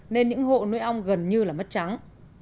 nên những hộ nuôi ong gần như là mất trắng